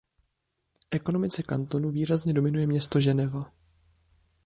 Ekonomice kantonu výrazně dominuje město Ženeva.